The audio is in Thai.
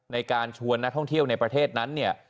ในการชวนนักท่องเที่ยวในประเทศนั้นเนี่ย